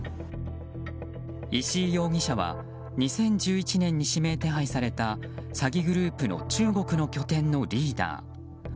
石井容疑者は２０１１年に指名手配された詐欺グループの中国の拠点のリーダー。